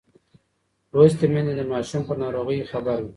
لوستې میندې د ماشوم پر ناروغۍ خبر وي.